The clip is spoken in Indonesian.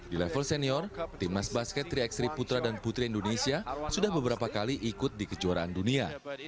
di level senior timnas basket tiga x tiga putra dan putri indonesia sudah beberapa kali ikut di kejuaraan dunia